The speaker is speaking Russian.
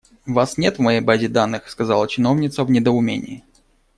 «Вас нет в моей базе данных», - сказала чиновница в недоумении.